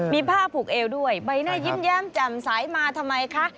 มีผ้าผูกเอวด้วยใบหน้ายิ้มแย้มแจ่มสายมาทำไมคะ